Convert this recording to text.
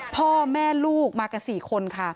พ่อแม่ลูกมากัน๔คนค่ะ